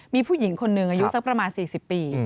มีผู้หญิงคนหนึ่งอายุสักประมาณ๔๐ปี